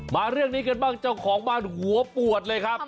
มาเรื่องนี้กันบ้างเจ้าของบ้านหัวปวดเลยครับ